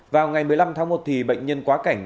vào ngày một mươi năm tháng một bệnh nhân quá cảnh